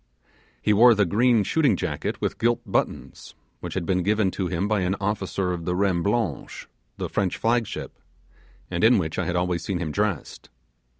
He wore the green shooting jacket with gilt buttons, which had been given to him by an officer of the Reine Blanche the French flag ship and in which I had always seen him dressed.